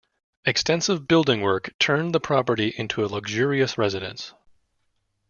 Extensive building work turned the property into a luxurious residence.